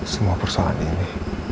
semua persoalan ini